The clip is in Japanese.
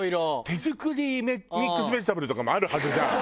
手作りミックスベジタブルとかもあるはずじゃん。